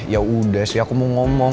ya udah sih aku mau ngomong